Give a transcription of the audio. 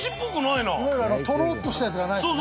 いわゆるあのトロッとしたやつがないですね。